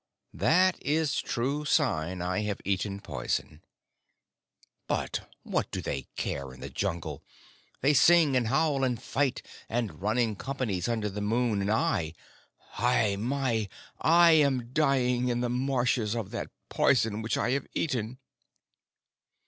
That is true sign I have eaten poison.... But what do they care in the Jungle? They sing and howl and fight, and run in companies under the moon, and I Hai mai! I am dying in the marshes, of that poison which I have eaten."